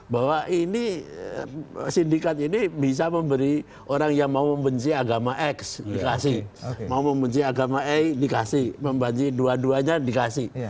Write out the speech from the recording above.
bahwa ini sindikat ini bisa memberi orang yang mau membenci agama x dikasih mau membenci agama e dikasih membenci dua duanya dikasih